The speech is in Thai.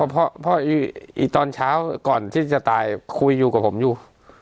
เพราะอีกตอนเช้าก่อนที่จะตายคุยอยู่กับผมอยู่